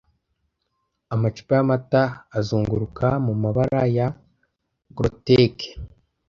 Amacupa yamata azunguruka mumabara ya groteque